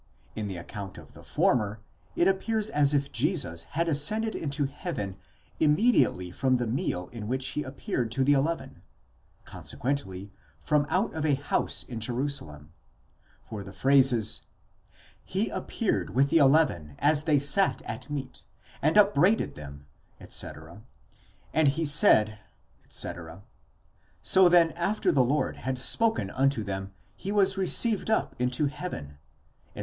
In the account of the former, it appears as if Jesus had ascended into heaven immediately from the meal in which he appeared to the eleven, consequently from out of a house in Jerusalem ; for the phrases: he appeared with the eleven as they sat at meat, and upbraided them—and he said—So then after the Lord had spoken unto them he was received up into heaven, etc.